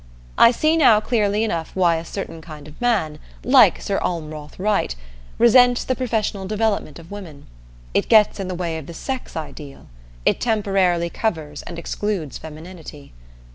I see now clearly enough why a certain kind of man, like Sir Almroth Wright, resents the professional development of women. It gets in the way of the sex ideal; it temporarily covers and excludes femininity.